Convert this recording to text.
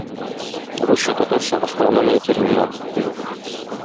Русча-татарча астрономия терминнары сүзлеге.